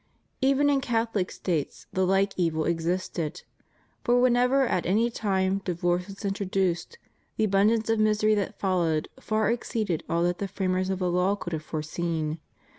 Even in Catholic States the like evil existed. For when ever at any time divorce was introduced, the abundance of misery that followed far exceeded all that the framers of the law could have foreseen.